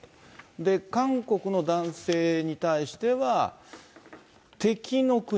で、韓国の男性に対しては、敵の国、